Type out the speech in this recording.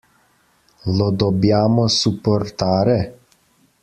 Lo dobbiamo supportare?